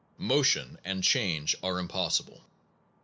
Motion and change are impos sible.